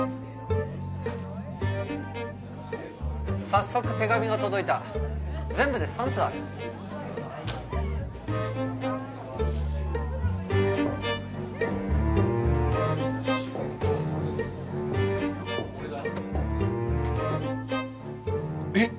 早速手紙が届いた全部で３通あるえっ